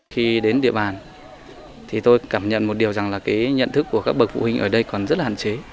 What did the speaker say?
khi đến địa bàn thì tôi cảm nhận một điều rằng là cái nhận thức của các bậc phụ huynh ở đây còn rất là hạn chế